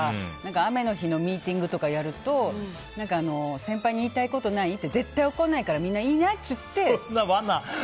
雨の日のミーティングとかやると先輩に言いたいことない？絶対怒らないから罠じゃないですか。